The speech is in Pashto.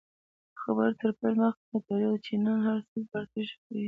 د خبرو تر پیل مخکی متوجه اوسه، چی نن هرڅوک په هرڅه ښه پوهیږي!